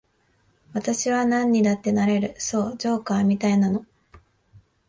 私はなんにだってなれる、そう、ジョーカーみたいなの。